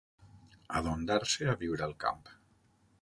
Adondar-se a viure al camp.